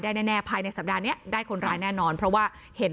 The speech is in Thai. แน่ภายในสัปดาห์นี้ได้คนร้ายแน่นอนเพราะว่าเห็น